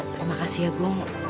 terima kasih ya gong